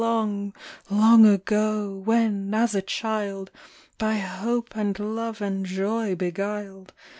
Long, long ago, when as a child, By Hope and Love and Joy beguiled.